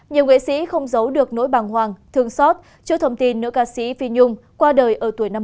nhiều nghệ sĩ không giấu được nỗi bàng hoàng thương xót trước thông tin nữ ca sĩ phi nhung qua đời ở tuổi năm mươi